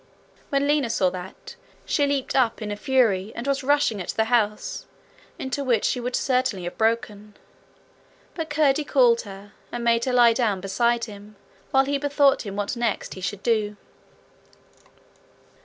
When Lina saw that she leaped up in a fury and was rushing at the house, into which she would certainly have broken; but Curdie called her, and made her lie down beside him while he bethought him what next he should do.